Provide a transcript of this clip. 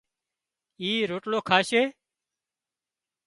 اِي روٽلو کاشي